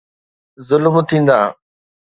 ظلم ٿيندا.